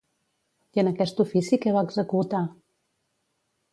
I en aquest ofici què va executar?